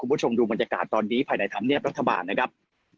คุณผู้ชมดูบรรยากาศตอนนี้ภายในธรรมเนียบรัฐบาลนะครับ